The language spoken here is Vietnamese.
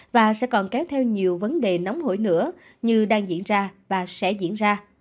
và sẽ còn kéo theo nhiều vấn đề nóng hổi nữa như đang diễn ra và sẽ diễn ra